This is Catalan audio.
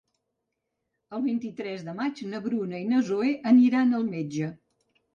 El vint-i-tres de maig na Bruna i na Zoè aniran al metge.